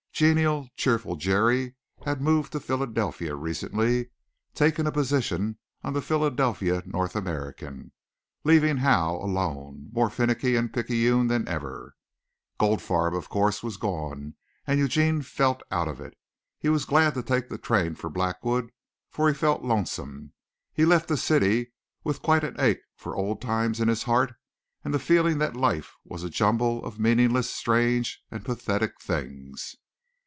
Genial, cheerful Jerry had moved to Philadelphia recently, taking a position on the Philadelphia North American, leaving Howe alone, more finicky and picayune than ever. Goldfarb, of course, was gone and Eugene felt out of it. He was glad to take the train for Blackwood, for he felt lonesome. He left the city with quite an ache for old times in his heart and the feeling that life was a jumble of meaningless, strange and pathetic things.